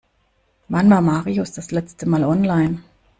Wann war Marius das letzte Mal online?